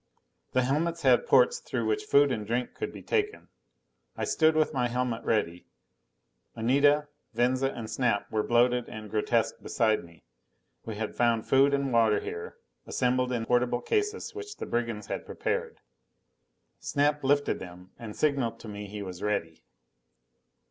The helmets had ports through which food and drink could be taken. I stood with my helmet ready. Anita, Venza and Snap were bloated and grotesque beside me. We had found food and water here, assembled in portable cases which the brigands had prepared. Snap lifted them, and signaled to me he was ready.